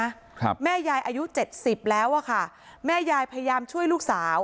ครับแม่ยายอายุเจ็ดสิบแล้วอ่ะค่ะแม่ยายพยายามช่วยลูกสาว